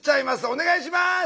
お願いします！